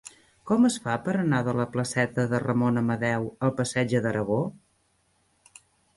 Com es fa per anar de la placeta de Ramon Amadeu al passatge d'Aragó?